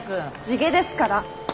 地毛ですから。